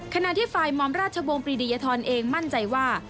ขณะที่ฝ่ายมอมราชวงศรียทรเองมั่นใจว่า